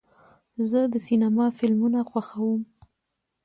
زه د سینما فلمونه خوښوم.